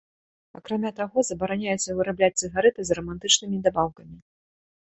Акрамя таго, забараняецца вырабляць цыгарэты з араматычнымі дабаўкамі.